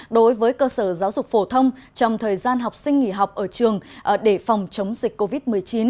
đối với cơ sở giáo dục phổ thông trong thời gian học sinh nghỉ học ở trường để phòng chống dịch covid một mươi chín